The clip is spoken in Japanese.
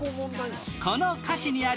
この歌詞にある